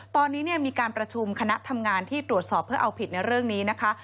ตอนนี้มีการประชุมคณะทำงานที่ตรวจสอบเพื่อเอาผิดในเรื่องนี้นะคะ